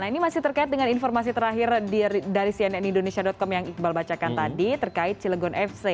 nah ini masih terkait dengan informasi terakhir dari cnn indonesia com yang iqbal bacakan tadi terkait cilegon fc